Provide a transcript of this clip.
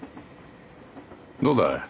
どうだ。